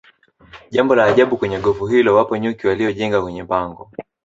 Jambo la ajabu kwenye gofu hilo wapo nyuki waliojenga kwenye pango